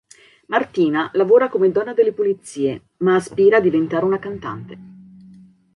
Martina lavora come donna delle pulizie ma aspira a diventare una cantante.